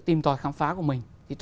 tìm tòi khám phá của mình